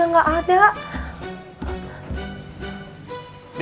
kasetnya udah gak ada